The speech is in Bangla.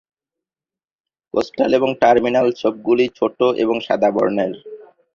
কোস্টাল এবং টার্মিনাল ছোপগুলি ছোট এবং সাদা বর্নের।